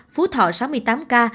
phú thọ sáu mươi tám ca